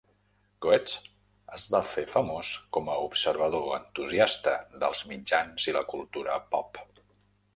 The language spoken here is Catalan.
Goetz es va fer famós com a observador entusiasta dels mitjans i la cultura pop.